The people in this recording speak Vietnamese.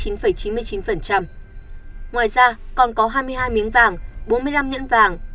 ngoài ra còn có hai mươi hai miếng vàng bốn mươi năm nhẫn vàng